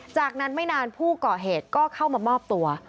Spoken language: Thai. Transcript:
จากนั้นไม่นานผู้ก่อเหตุก็เข้ามามอบตัว